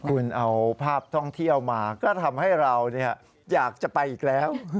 คุณเอาภาพท่องเที่ยวมาก็ทำให้เราอยากจะไปอีกแล้ว